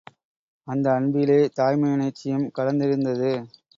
அந்த அன்பிலே, தாய்மையுணர்ச்சியும் கலந்திருந்தது.